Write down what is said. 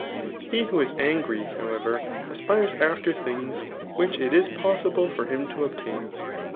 He who is angry, however, aspires after things which it is posable for him to obtain.